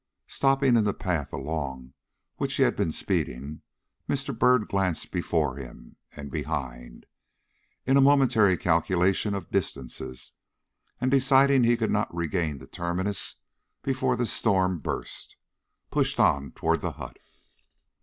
Stopping in the path along which he had been speeding, Mr. Byrd glanced before him and behind, in a momentary calculation of distances, and deciding he could not regain the terminus before the storm burst, pushed on toward the hut.